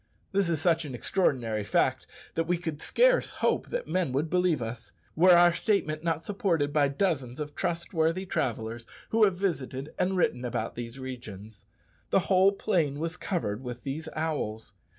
This is such an extraordinary fact that we could scarce hope that men would believe us, were our statement not supported by dozens of trustworthy travellers who have visited and written about these regions. The whole plain was covered with these owls.